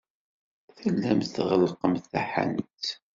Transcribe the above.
Tellamt tɣellqemt taḥanut.